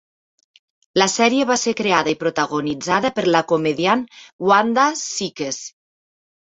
La sèrie va ser creada i protagonitzada per la comediant Wanda Sykes.